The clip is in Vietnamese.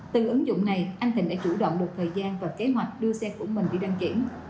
từ ứng dụng này anh thịnh đã chủ động một thời gian và kế hoạch đưa xe của mình đi đăng kiểm